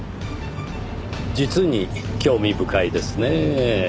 実に興味深いですねぇ。